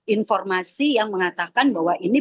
informasi yang mengatakan bahwa ini